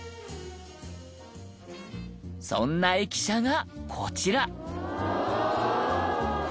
そんな駅舎がこちら。